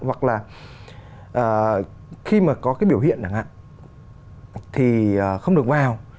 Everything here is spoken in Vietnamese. hoặc là khi mà có cái biểu hiện chẳng hạn thì không được vào